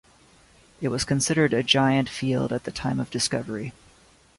It was considered a "giant" field at the time of discovery.